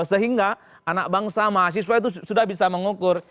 sehingga anak bangsa mahasiswa itu sudah bisa mengukur